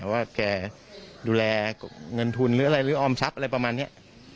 ว่าแกดูแลเงินทุนหรืออะไรหรือออมทรัพย์อะไรประมาณนี้